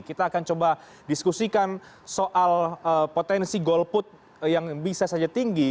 kita akan coba diskusikan soal potensi golput yang bisa saja tinggi